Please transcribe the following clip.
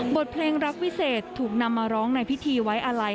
บทเพลงรักวิเศษถูกนำมาร้องในพิธีไว้อาลัย